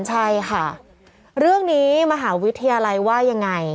ใช่ค่ะเรื่องนี้มหาวิทยาลัยว่ายังไง